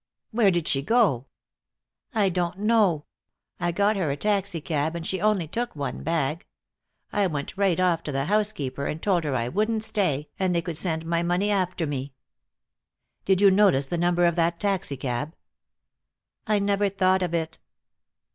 "Where did she go?" "I don't know. I got her a taxicab, and she only took one bag. I went right off to the housekeeper and told her I wouldn't stay, and they could send my money after me." "Did you notice the number of the taxicab?" "I never thought of it."